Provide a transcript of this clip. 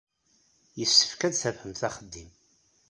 Yessefk ad d-tafemt axeddim.